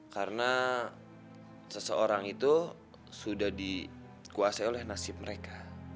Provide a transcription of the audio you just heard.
karena seseorang itu sudah dikuasai oleh nasib mereka